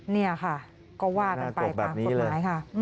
เนี่ยค่ะก็วาดกันไปค่ะศพหมายค่ะน่ากรกแบบนี้เลยอืม